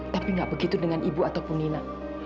tapi tidak begitu dengan ibu ataupun nina